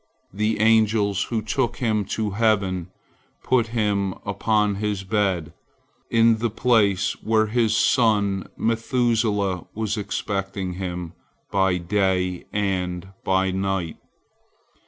The angels who took him to heaven put him upon his bed, in the place where his son Methuselah was expecting him by day and by night.